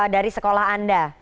dari sekolah anda